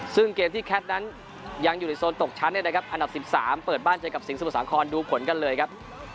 ซึ่งเกมที่แคทนั้นยังอยู่ในโซนตกชั้นเนี่ยนะครับอันดับ๑๓เปิดบ้านเจอกับสิงหมุสาครดูผลกันเลยครับ